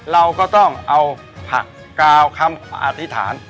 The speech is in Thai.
เราก็ต้องเอาผักกาวคำอธิษฐาน